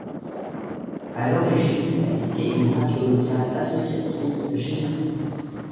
À l'origine, elle était une radio locale associative généraliste.